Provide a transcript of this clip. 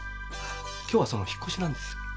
今日はその引っ越しなんです。